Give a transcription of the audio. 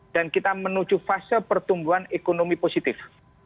dan kita menuju fase pertumbuhan ekonomi positif